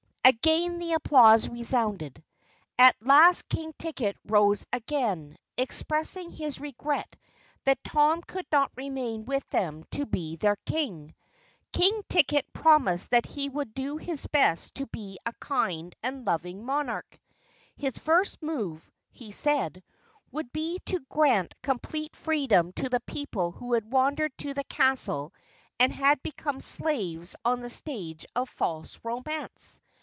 Again the applause resounded. At last King Ticket rose again, expressing his regret that Tom could not remain with them to be their King. King Ticket promised that he would do his best to be a kind and loving monarch. His first move, he said, would be to grant complete freedom to the people who had wandered to the castle and had become slaves on the Stage of False Romance.